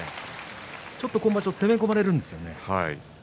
ちょっと今場所攻め込まれるんですよね。